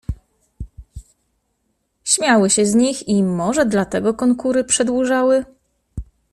"Śmiały się z nich, i może dlatego konkury przedłużały."